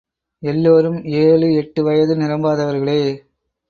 எல்லோரும் ஏழு, எட்டு வயது நிரம்பாதவர்களே.